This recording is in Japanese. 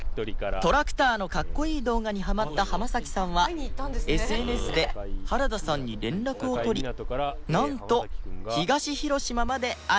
トラクターのかっこいい動画にハマった濱さんは ＳＮＳ で原田さんに連絡を取りなんと東広島まで会いに行ったんです